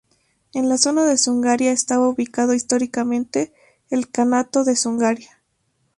En la zona de Zungaria estaba ubicado históricamente el kanato de Zungaria.